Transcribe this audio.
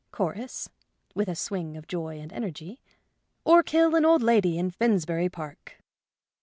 Chorus (with a swing of joy and energy) :" Or kill an old lady in Finsbury Park."